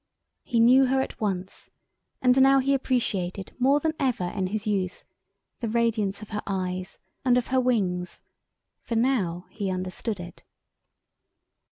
He knew her at once, and now he appreciated, more than ever in his youth, the radiance of her eyes and of her wings, for now he understood it.